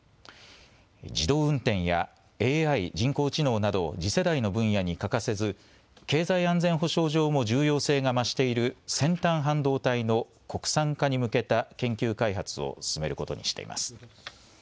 自動運転やＡＩ・人工知能など次世代の分野に欠かせず経済安全保障上も重要性が増している先端半導体の国産化に向けた研究開発を進めることにしています。